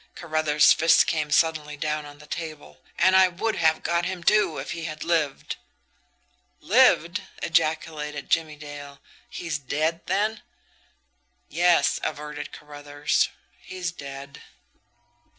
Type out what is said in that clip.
Carruthers' fist came suddenly down on the table. "And I would have got him, too, if he had lived." "Lived!" ejaculated Jimmie Dale. "He's dead, then?" "Yes," averted Carruthers; "he's dead."